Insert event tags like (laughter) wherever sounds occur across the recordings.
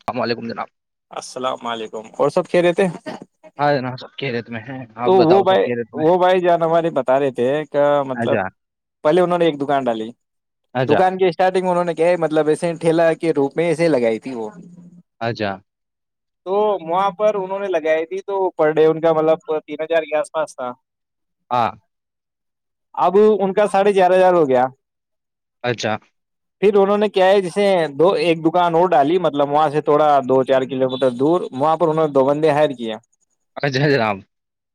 السلام علیکم جناب السلام علیکم اور سب کہ رہتے ہیں ہ نا سبپ ک رہےے تو وہ بھائی وہ بھائی جان ہماراری بتا رہے تھے کہ مطلب اجا پہلے انہوں نے ایک دکان ڈالی اجا دکان کی اسٹارٹنگ میں انہوں نے کیا مطلب ایسے ٹھیلا کے روپ میں ایسے لگائی تھی وہ ا جا تو وہاں پر انہوں نے لگائی تھی تو پر ڈے ان کا مطلب تین ہزار کے آس پاس تھا ہاں اب ان کا ساڑھے چارہ ہزار ہو گیا اچھا پھر انہوں نے کیا ہے جسے دو ایک دکان اور ڈالی مطلب وہاں سے تھوڑا دو چار کلو میٹر دور وہاں پر انہوں نے دو بندے ہائر کیا اچ جہ جرام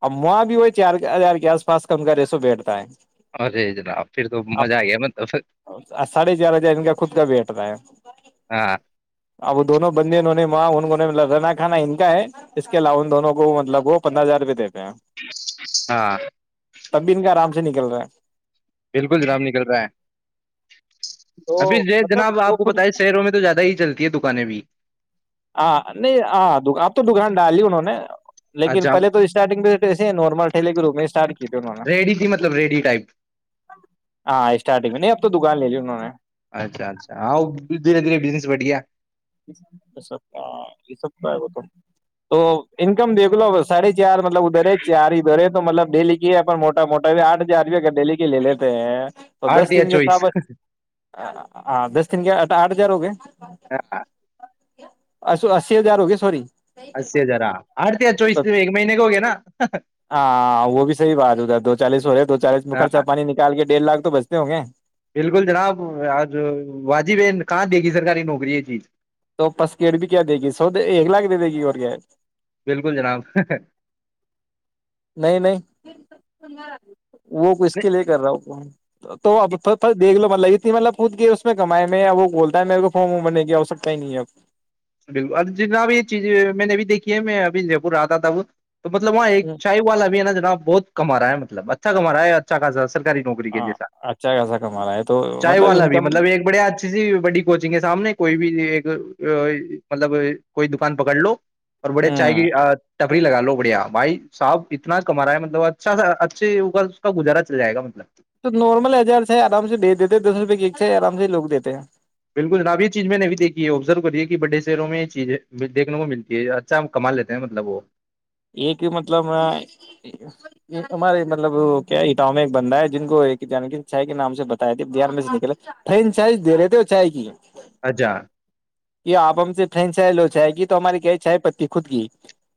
ا وہاں بھی وہ چار ہزار کے آس پاس کم کا ریسو بیٹھتا ہے ارے جناب پھر تو اب مزہ آ گیا مطلب ساڑھے چار ہزار ان کا خود کا بیٹھ رہ ہے ہاں ا وہ دونوں بندے انہوں نے (unintelligible) اں انوں نے م رنا کھا ان کا ہے اس کے علاو ان دونوں کو مطلب وہ پندرہ ہار روپئے د ہاں تب بھی ان کا آرام سے سے نکل رہا ہے بالکل جرام نکل رہا ہے تو ابھی جناب مطلب وہ آپ کو خود پت ہے شہروں میں تو زیادہ ہی چلتی ہے د پنو آاں نہیں آ آپ تو دکان ڈالی انہوں نے لیکن اچھا پہلے تو اسٹارٹنگ میںسے ہیں نارملٹلے کے ر اسٹار کی تھے انوں نے ریڈی تھی مطلب ریڈی ٹائپ ہاں اسٹارٹنگ میں نہیں اب تو دکان لے لی (unintelligible) اچھا اچھا ہاں دھیرے دھیے بزس بٹ گیا ب یہ سب کا ہے وہ تو انکم دیکھ لو ساڑھے چار مطلب ادھر ہے چار ادھر ہے تو مطلب ڈیلی کی ہے موٹا موٹا آٹھ ہزار روپ ڈیلی کی لے لیتے ہیں تو دس آرتیا دن کے چوئس ساب ہاں دس تن کےٹ آٹ ہزار ہو گئے ہاں ا اسی ہزار ہو گئے سی اسی ہزار ہ آر چوس ایک مہینے کا ہو گیا نا ہاں وہ بھی صحی بات ہوتا ہے دو چالیس ہو رہے دو چالیس میں ہاں خرچا پانی نکال کے ڈیڑ لاکھ تو بچتے ہوں گے بالکل جناب آج واجب بن کہاں دے گی سرکاری نوکری یہ چیز تو پسکیٹ بھی کیا دے گی سو ایک لاک کے دے دے گی اور کیا بالکل جناب نہیں نہیں وہ ک اس کے لیے کر رہا ہووں کو تو اب تھو دیکھ لو م لگی تھی مطلب کوود کے اس میں کمائے میں وہ بولتا ہے میرے کو فارم بننے گ ہو سکتا ہی نہیں ہے اب بالکل جناب یہ چیز میں نے اب دیکھی ہے میں اب جے پور آ رہتا تھا وہ تو مطلب وہاں ایک اب چائے والا بھی ہے نا بہت کما ہے مطلب اچھاما ہے اچھاصا سرکاری نوکری کے ہاں جیسا اچھا خاصا کما رہا ہے تو چائے مطلب والا بھی انکم مطلب ایک بڑے اچھی سی بڑی کوچنگ ہے سامنے کوئی بھی ایک مطلب کوئی دکان پکڑ لو اور بڑے چائے ہوں کی لگا لو بڑھیا بھائی صاب اتنا کما ہے مطلب اچھا اچھے ہوگا اس کا گزارا چل جائے گا مطلب تو نارمل ہزار ہے آرام سے دے دیتے دس روپئے کے ے آرام سے لوگ دیتے ہیں بالکل جناب یہ چیز میں نہیں دیکھی ہے آبزرو کری ہے کہ بڑے شہروں میں یہ چیزیں دیکھنے کو ملتی ہے اچھا ہم کما لیتے ہیں مطلب وہ ایک مطلب ایک ہمارے مطلب کیا اٹان میں ایک بندہ ہے جن کو ایک جان چائے کے نام سے بتایا تھے بہار میں سے فرین چائے دے رہے تھے چائے کی اھا یہ آپ ہم سے فرین چائے لو چائے کی تو ہماری کیا چائے پتی خود کی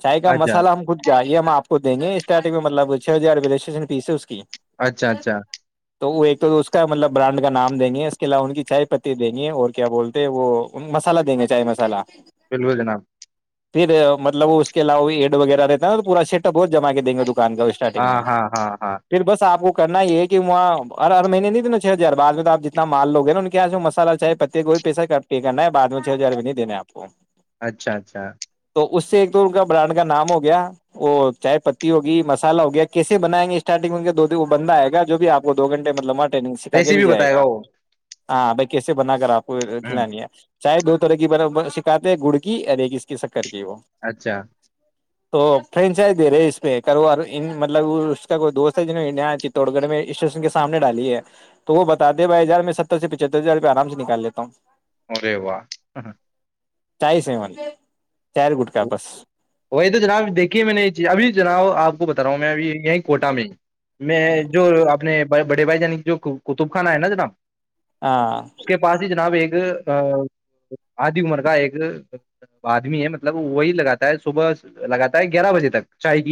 چائے کا اچھا مسالا ہم خود گیا یہ ہم آپ کو دیں گے اسٹارٹنگ میں مطلب چھ ہزار رٹریشن فیس ہے اس کی اچھا اچھا تو وہ ایک تو کا مطلب برانڈ کا نام دیں گے اس کے علاوہ ان کی چائے پتی دیں گے اور کیا بولتے ہیں وہ مسالا دیں گے چائے مسالا بالکل جناب (inaudible) پھر مطلب وہ اس کے علاو بھی ایڈ وغیرہ رہتا نا تو پورایٹ اپ بہت جمع کے دیں گے تو (inaudible) کان کا اسٹارٹنگ ہاں میں ہاں ہاں ہاں پھر بس آپ کو (inaudible) کرنا یہ کہ وہاں ہر مہینے نہیں دینا چھ ہزار بعد میں تو آپ جتنا مال لو ہیں نا ان مسالا چاہے پتے کو بھی پیسہ کرنا ہے (inaudible) بد میں چھ ہزار نہیں دینے آپ (inaudible) اچھا اچھا (inaudible) تو اس سے ایک تو ان کا برانڈ کا نام ہو گیا وہ چائے پتی ہوگی مسالہ ہو گیا کیسے بنائیں گے اسٹارٹنگ میں کے دو وہ بندہ آئے گ جو بھی آپ کو دو گھنٹے مطلب مٹ (inaudible) ٹگ سکھ کے بھی ریسیپی جائے بتائے گا وہ (inaudible) ہاں بھائی کیسے بنا کر آپ (inaudible) کوئی ہ کھلانی ہے (inaudible) چاہے دو طرح کی شکات ہے گڑ کی اور ایک اس کیک (inaudible) کر کے وہ اچھا (inaudible) تو فرینچائز دے رہے اس پہ کر اور ان مطلب اس کا کوئی دوست ہے جنہوں چتوڑ گڑ میں اسٹیشن کے سامنے ڈالی ہے تو وہ بتا دے بھائی ار میں ستر سے پچہتر ہزار روپ آرام سے نکال لیتا ہوں (inaudible) ارے وا چائی سیمن وہی تو جناب دیکھیے میں نے یہ چیز ابھی جناؤ آپ بتا رہا ہوں میں ابھی یہیں کوٹہ میں میں جو اپنے بڑے بھائی جنی جو قطب خان ہے نا جناب ہاں اس کے پاس ہی جناب ایک آدھی عمر کا ایک آدمی ہے مب مطلب وہی لگاتا ہے صبح لگاتا ہے گیارہ بجے تک چائے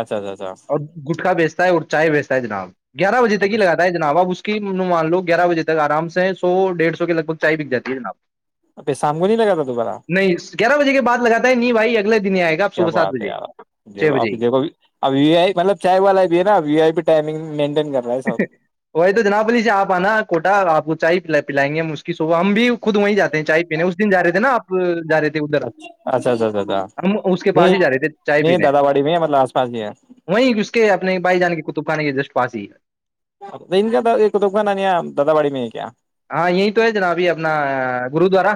اچھا اچھا اچھا اور گٹخا بیچتے اور چائے بھیچتا ہے جناب گیارہ بجے ہی لگا اچھا ہے جناب آپ اس مان لو گیارہ بجے تک آرام سے سو ڈیھ سو کے لگ بگ چائے بک جاتی ہے جناب پیسام کو نہیں لگا بہارا نہیں گیارہ بجے کے بعد لگاتا ہے نہیں بھائی اگلے دن ہی آئے گا آپ کیا صبح سات بات ہے بجے یار چھ اب بجے دیکھو اب ویو آئی مطلب چائے والا بھی ہے نا ویو آئی ٹائمنگ مر وہی تو جناب لیجیے آپ آنا کوٹا آپ کو چائے پلائیں گے اس کی صوب ہم بھی خود وہیں جاتے ہیں چائے پینے اس دن جا رہے نا آپ رہے تھے ادھر اچھا اچھا اچھا اچھا ہم اس کے پاس نہیں ہی جا رہے تھے چائے نہیں پینے دادا باڑی میں ہے مطلب آس پاس ہی ہے وہیں اس کے اپنے بھائی جانے کے کطب کے کے جسٹ فاسی ان کا ان دادا بڑی مک ہے ہاں یہی تو ہے جناب یہ اپنا گرودوارا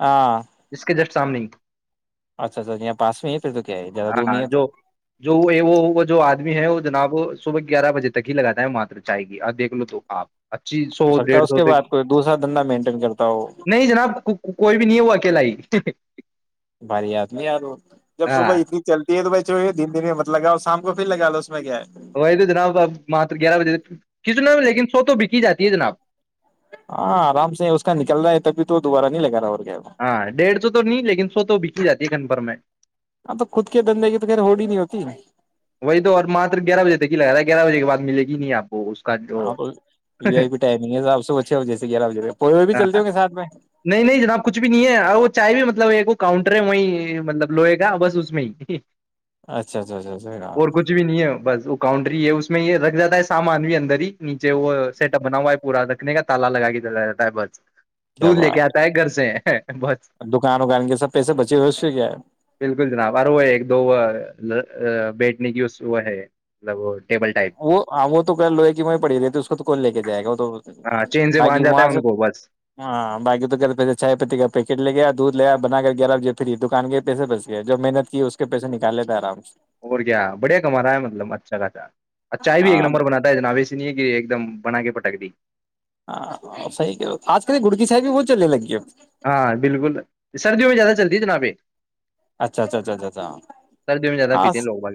ہاں اس کے جسٹ سامنے اچھا اچھا یہاں پاس میں ہی پھر تو کیا ہے زیادہ دور ہاں نہیں ہے تو جو جو وہ وہ جو آدمی ہے وہ جناب صبح گار بجے تک ہی لگا ہے ماتر چاہئے گی اور دیکھ لو تو آپ اچھی ہو سو سکتا ہے ڈیڑھ اس سو کے ت بعد کوئی دوسرا دھندا مینٹین کرتا ہو نہیں جناب کوئی بھی نہیں ہے وہ اکیلا ہی پچھے بھاری یاد نہیں ار جب ہاں صبح اتنی چلتی ہے تو ب دن دنت لگاؤ شام گوب لگاو وہی تو جناب اب مات گیارہ بجے کچنا لیکن سو تو بک ہی جاتی ہے جناب ہاں آرام سے اس کا نکل رہا ہے تبھی تو دوبارہ نہیں لگا رہا اور کیا ہاں ڈیڑھ تو نہیں لیکن سو تو جاتی ہے گن پرھر میں اب تو خود کے دندے کی تو خیر ہوڈ ہی نہیں ہوتی وہی تو اور ماتر گیارہ بے ت ہی لگ رہا گیارہ بجے کے بع ملے گ نہیں آ کو اس کا جو ہاں ٹائمگ ہے آپ صبح چھ بجے سے گیارہ بجے پ بھی چلتے ہاں ہوں گے ساتھ میں نہیں نہیں جناب کچھ بھی نہیں ہے اور وہ چائے بھی مطلب ایک وہ کاؤنٹر ہے وہی مطلب لوئے گا بس اس میں ہی اچھا اچھا اچھا اچھا اور کچھ بھی نہیں ہے بس ا کاؤنٹر یہ اس میں یہ رکھ جاتا ہے سامان بھی اندر ہی نیچے وہ سیٹ اپ بنا ہوا ہے پورا رکھنے کا تال لگا کے د جاتا ہے بس کیا دودھ لے کے بات آتا ہے گھر سے بس ہے دکان وکان کے سب پیسے بچے ہوئے اس سے کیا ہے بالکل جناب اورر وہ ایک دو (unintelligible) بیٹھنے کی وہ ہے مطلب ٹیبل ٹائپ وہ ہاں وہ تو لوہے کی وہیں پڑی رہی ت اس کو تو کون لے کے جائے گا وہ تو ہاں چین سے باقی باندھ جاتا وہاں ہے سے ان کو بس ہاں بای تو پیسے چائے پتی کا پیکٹ لے گیا دودھ لےیا بنا کر گ پھر تو دکان کےئے پیسے بس گئے جو محنت کی اس کے پیسے نکال لیتا آرام سے اور کیا بڑھیا کم رہا ہے مطلب اچھا خاصہ ا چائے بھی ایک ہاں نمبر بناتا ہے جناویسی نہیں ہے کہ ایک دم بنا کے پ سکد ہاں صحی آج کل گڑ کیی صاحب بھی بہت چلنے لگی ہے ہاں بالکل سردیوں میں زیادہ چلتی ہے جنا پہ اچھا اچھا اچھا ا سردیوں میں زیادہ اھا پیتے ہیں لوگ باغ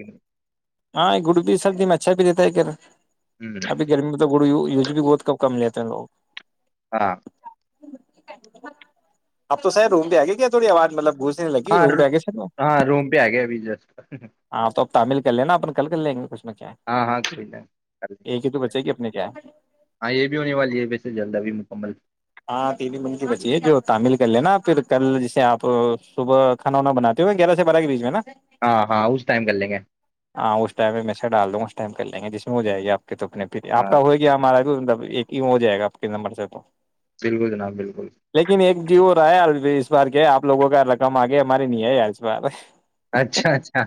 ہاں یہ گڑ بھی سردی اچھا بھی دیتا ہے گھر ابھی گرمی میں تو گڑ بھی بہت کب کم لیتے ہیں لوگ ہاں اب تو سر روم پہ آگے کیا تھوڑی آواز مطلب گوس لگ ہاں روم ب ہاں روم پہ آ گیا بی جس چ لیںا اپ کو کل کر لیں گ ک ہاں ہاں ہی تو بچے گی اپنے کیا ہے ہاں یہ بھی ہونے والی ہے ویسے جلد ابھی م کبل ہاں تین من کی بچی ہے جو تعمل کر لینا پھر کل جیسے آپ صبح کھانا وا بناتے ہو گیارہ سے بارہ کے بیچ میں نا ہاں ہاں اس ٹائم کر لیں گے ہاں اس ٹائم میں میں سے ڈال دوں اس ٹائم پہ کر لیں گ جس میں ہو ج گ آپ تو اپنے پ آپ ہاں کا ہو گیا ہمارا مطب ایک ہی ہو جائے گا آپ کے نمبر سے تو بالکل جناب بالکل لیکن ایک ڈیو ہو اس بار کیا آ لوگوں کا رقم آگے ہماری نہیں ہے ی اس بار اچھا اچھا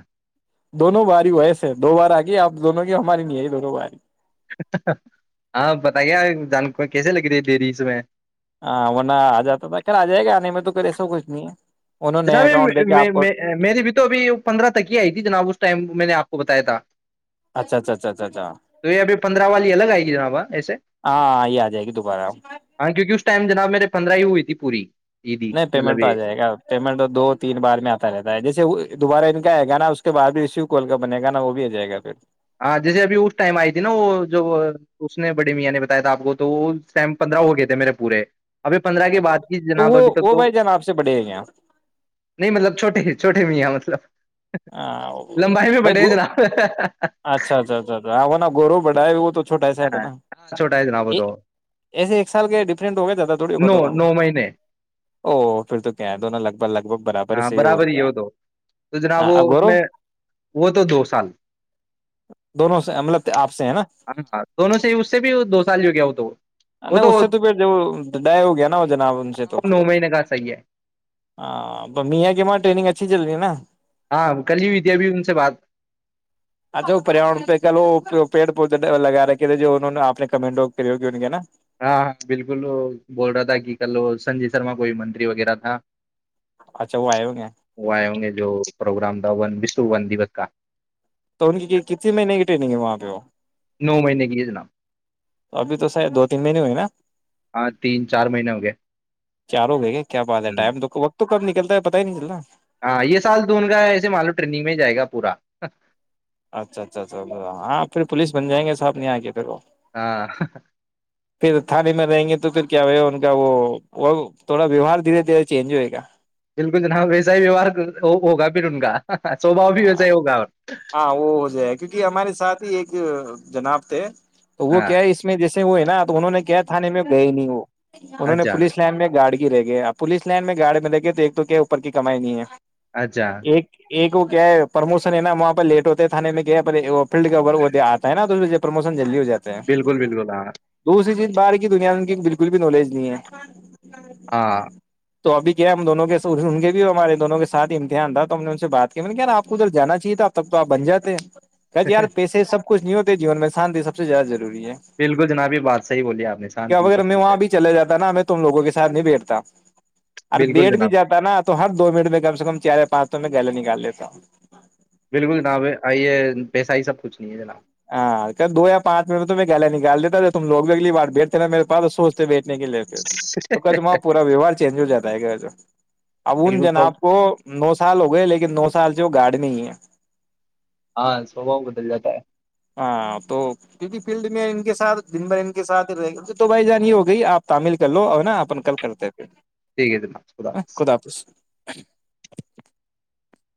دونوں باری ایسے دو بار آ گئی آپ دونوں کی ہماری نہیں آئی دونوں باری ہاں پتا کیایا جان کو کیسے لگ رہی ہے دری اس میں ہاں ورنہ آ جاتا تھا کل آ جائے گا آنے میں تو پھر ایسا کچھ نہیں ہے انہوں نے جناب اکاؤنٹ دے کے آپ کو میری بھی تو ابھی پندرہ تک ہی آئی تھی جناب اس ٹائم میں نے آپ کو بتایا تھا اچھا اچھا اچھا اچھا اچھا تو یہ ابھی پندرہ والی الگ آئے گی جناب ہاں ایسے ہاں یہ آ جائے گی دوبارہ ہاں کیونکہ اس ٹائم جناب میرے پندرہ ہی ہوئی تھی پوری عیدی نہیں مطلب پیمنٹ تو آ یہ جائے گا پیمنٹ تو دو تین بار میں آتا رہتا ہے جیسے دوبارہ ان کا آئے گا نا اس کے بعد رشیو کوال کا بنے گا نا وہ بھی آ جائے گا پھر ہاں جیسے ابھی اس ٹائم آئی تھی نا وہ ج اس نے بڑی میاں نے بتایا تھا آپ کو تو وہ ٹائم پندرہ ہو گئے تھے میرے پورے ابھی پندرہ کی اچھا بات کی تو جناب وہ ابھی تک وہ تو بھائی جان آپ سے بڑے ہیں کیا؟ نہیں مطلب چھوٹے چھوٹے بھی یہ مطلب ہاں لمبائی بھی بھائی بڑے ہیں گ جناب اچھا اچھا اھا آا گورو بھائے ہے وہ تو چھوٹا ایسا ہے ہے ہاں نا ہاں چھوٹا ہے جناب وہ دو ایسے ایک سال کے ڈفرنٹ ہو گیا زیادہ تھوڑی ہوگا نو دونوں میں نو مہینے او پھر تو کیا ہے دونوں لگ بھگ لگ بھگ برابر ہاں ایے ہی اور برابر کیا ہے وہ دو تو ہاں وہ اس گورو میں وہ تو دو سال دونوں سے مطلب آپ سے ہے نا ہاں ہ نہیں اس سے تو پھر جو ڈ ہو گیا نا وہ جناب ان سے ہاں تو وہ پھر نو مہینے کا صحیح ہے میا کہ ہمار ٹریگ اچھی جلدی ہے نا ہاں کل ہی ہوئی تھی ابھی ان سے بات اچھا وہ پریا پہ کلو پیڑ پودے لگا رکھے تھے جو انہوں نےپ نے کمنٹ ہو نا ہاں ہاں بالکل بول رہا تھا کہ کل سنجے شرما کوئی منتری وغیرہ تھا اچھا وہ آئے ہوں گے وہ آئے ہوں گے جو پروگرام تھا ونشو ون دوس کا تو ان کی کتنی مہینے کی ٹرینگ ہے وہاں پہ وہ نو مہینے کی ہے جناب تو ابھی تو ساید دو تین دن ہو گئے نا ہاں تین چار مہینے ہو چار ہو گئے کہ کیا بات ہے گئے ٹائم تو وقت تو کب ن چلتا ہے پتا ہی نہیں چلنا (inaudible) ہاں یہ سال تو ان کا ایسے م لو ٹرینگ میں جائے گا پورا (unintelligible) اچھا اچھا اچھا ہاں پھر پولیس بن جائ گے صاحب نہیں آ کے پھر وہ (unintelligible) ہاں (inaudible) پھر تھانے میں رہیں گے تو پھر کیا ہوئے گ ان کا وہ وہ تھوڑا ویوہار دھیرے دھیرے چینج ہوئے گا (unintelligible) بالکل جناب ویسا ہی ویوہار ہوگا پھر ان کا (unintelligible) بھی ویسا ہاں ہی ہوگا اور ہاں وہ ہو جائے کیونکہ ہمارے ساتھ ہی ایک (unintelligible) جناپتے (inaudible) تو وہ ہاں کیا ہے اس میں جیسے (unintelligible) ہوئے نا تو انہوں نے کیا تھاانے میں گئے ہی نہیں وہ (unintelligible) انہوں نے اچھا پولیس لائن میں گاڑی (unintelligible) رہ گئےپ پلیس لائن میں گاڑی میں لگے تو ایک تو کیا اوپر کی کمائی نہیں ہے (unintelligible) اچھا ایک ایک (inaudible) وہ کیا ہے پرموشن ہے نا وہاں پر لیٹ ہوتے ہیں تھاانے میں کیا ہے فیلڈ کاور وہ آتا ہےا تو اس پرموشن جلدی ہو (unintelligible) جاتے ہیں بالکل بالکل ہاں دوسری چیز باہر کی دنیا ان کی بالکل بھی نالج نہیں ہے ہاں تو ابھی کیا ہم دونوں کے ان کے بھی ہمارے دونوں کے سھ امتحان تھا تو ہم نے ان سے بات کہ نے کیا ن آپ کو ادھر جانا چاہیے تھا ا تب تو آپ بن جے ہیں کیا یار پیسے سبچھ نہیں ہوگ جین میں شان سب زیاہ جی بالکل جناب یہ بات صحیح بولی آپ نے شانتی اگر سب میں کچھ ہے وہاں بھی چلا جاتا نا میں تم لوگوں کے ساتھ نہیں بیٹھتا ار بالکل بیٹ بھی جناب جاتا نا تو ہر دو منٹ میں کم سے کم چار پات تو میں گلے گ لےتا ہ بالکل جناب آئیے پیسہ ہی سب کچھ نہیں ہے جنا ہاں دو یا پانچ میں تو میں گہلا نکال دیتا تم لوگ بھی اگلی بار بیٹھتے نا میرے پا سوچتے بیٹھے کے لیےتے تو کہ پورا ویوہار چینج ہو جاتا ہے کہ اب ان بالکل سب جناب کو نو سو سال ہو گئے لیکن نو سال سے وہ گاڑی نہیں ہے ہاں سوبا بدل جاتا ہے ہاں تو کیونکہ فیلڈ میں ان کے سھ دن بھر ان کے سات رہ گئی تو بھائی جان یہ ہو گئی آپ تعمل کر لو اور نا اپن کل کرتے پ ٹھیک ہے جناب خدا حافظ (inaudible)